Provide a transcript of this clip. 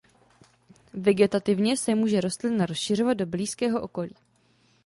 Vegetativně se může rostlina rozšiřovat do blízkého okolí.